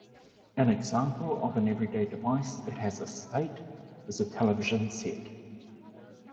An example of an everyday device that has a "state" is a television set.